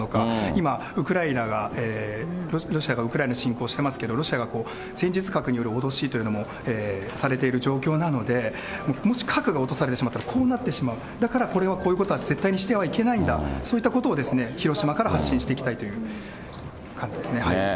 今、ウクライナが、ロシアがウクライナ侵攻してますけれども、ロシアが戦術核による脅しというのもされている状況なので、もし核が落とされてしまったらこうなってしまう、だからこれはこういうことは絶対にしてはいけないんだということを、そういったことを、広島から発信していきたいという感じです